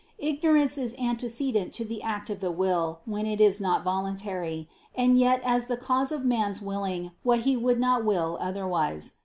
Ignorance is "antecedent" to the act of the will, when it is not voluntary, and yet is the cause of man's willing what he would not will otherwise.